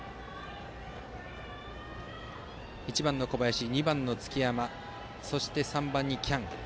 １番の小林、２番の月山そして３番に喜屋武。